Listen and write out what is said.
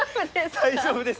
大丈夫です。